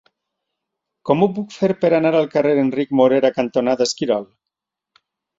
Com ho puc fer per anar al carrer Enric Morera cantonada Esquirol?